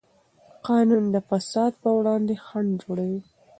قانون د فساد پر وړاندې خنډ جوړوي.